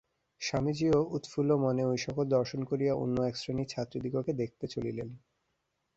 স্বামীজীও উৎফুল্ল-মনে ঐ সকল দর্শন করিয়া অন্য এক শ্রেণীর ছাত্রীদিগকে দেখিতে চলিলেন।